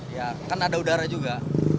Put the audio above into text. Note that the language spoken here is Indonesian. ya kan ada udara juga